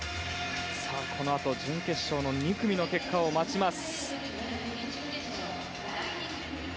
このあと準決勝の２組の結果を待ちます。